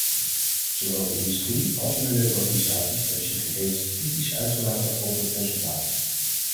Zowel de industrie als milieuorganisaties hebben zich reeds kritisch uitgelaten over het resultaat.